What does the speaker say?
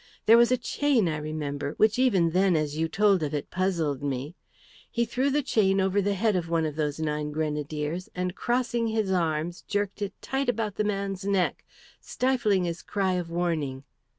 There was a chain, I remember, which even then as you told of it puzzled me. He threw the chain over the head of one of those nine grenadiers, and crossing his arms jerked it tight about the man's neck, stifling his cry of warning.